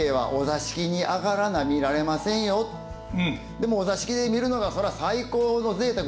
でもお座敷で見るのがそら最高のぜいたく。